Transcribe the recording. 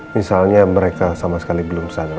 misalnya mereka sama sekali belum sadar